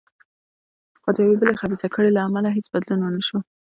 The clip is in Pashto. خو د یوې بلې خبیثه کړۍ له امله هېڅ بدلون ونه شو.